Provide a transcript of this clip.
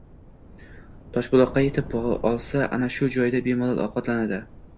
Toshbuloqqa yetib olsa, ana o‘sha joyda bemalol ovqatlanadi